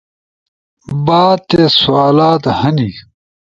باتھے سوالات ہنی؟